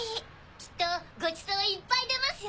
きっとごちそういっぱい出ますよ。